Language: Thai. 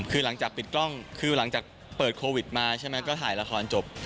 คือหลังจากปิดกล้องคือหลังจากเปิดโควิดมาใช่ไหมก็ถ่ายละครจบ